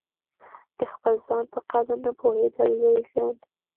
د خپل ځان په قدر نه پوهېدل لوی زیان دی.